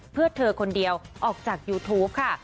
เพื่อเธอคนเดียวออกจากยูทูปค่ะ